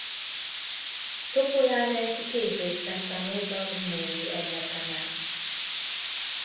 Topolánek gépésznek tanult a Brnói Egyetemen.